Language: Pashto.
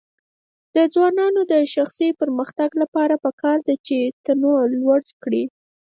د ځوانانو د شخصي پرمختګ لپاره پکار ده چې تنوع لوړ کړي.